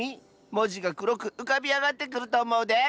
もじがくろくうかびあがってくるとおもうで。